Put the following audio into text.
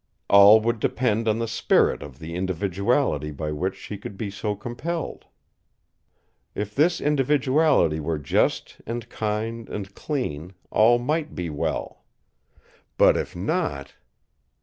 All would depend on the spirit of the individuality by which she could be so compelled. If this individuality were just and kind and clean, all might be well. But if not!